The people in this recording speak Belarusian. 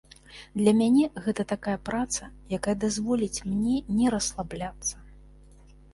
Для мяне гэта такая праца, якая дазволіць мне не расслабляцца.